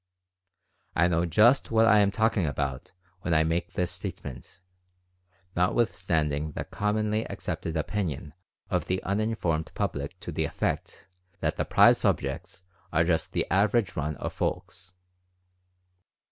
I know just what I am talking about when I make this statement, notwithstanding the commonly accepted opinion of the uninformed public to the effect that the prize subjects are just the average run of folks.